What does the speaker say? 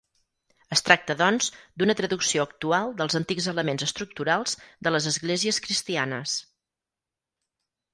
Es tracta doncs, d'una traducció actual dels antics elements estructurals de les esglésies cristianes.